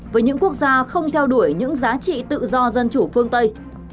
với những quốc gia không theo đuổi những giá trị tự do dân chủ phương tây